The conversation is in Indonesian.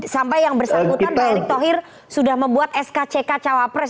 sampai yang bersangkutan pak erick thohir sudah membuat skck cawapres